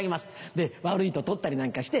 で悪いと取ったりなんかして。